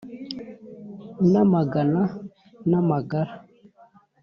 n’amagana n’amagara,